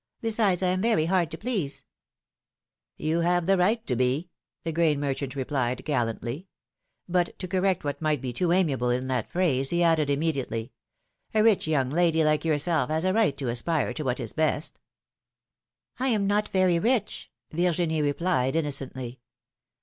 Besides, I am very hard to please !" ''You have the right to be," the grain merchant replied, 116 PHILOMi:NE'S MARRIAGES. gallantly; but to correct what might be too amiable in that phrase, he added, immediately : rich young lady like yourself has a right to aspire to what is best.^^ I am not very rich," Virginie replied, innocently.